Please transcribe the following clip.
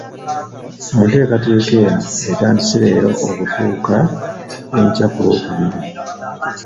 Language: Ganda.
Mu nteekateeka eno etandise leero okutuuka enkya ku Lwokubiri.